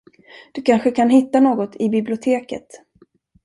Du kanske kan hitta något i biblioteket.